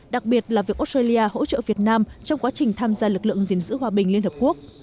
đặc biệt là việc australia hỗ trợ việt nam trong quá trình tham gia lực lượng gìn giữ hòa bình liên hợp quốc